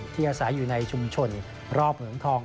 อาศัยอยู่ในชุมชนรอบเหมืองทอง